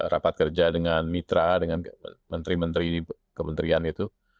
rapat kerja dengan mitra dengan menteri menteri kementerian itu